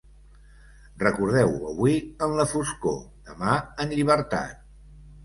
Recordeu-ho avui en la foscor, demà en llibertat.